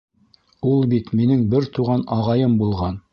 Ул бит минең бер туған... ағайым булған.